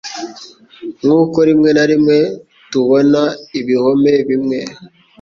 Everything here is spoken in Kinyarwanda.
Nkuko rimwe na rimwe tubona ibihome bimwe